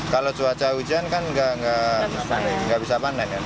kalau cuaca ujan kan nggak bisa panen